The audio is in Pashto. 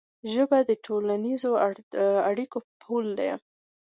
ژبه د ټولنیزو اړیکو پل دی.